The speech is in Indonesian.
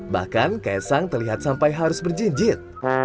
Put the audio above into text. bahkan kayak sang terlihat sampai harus berjinjit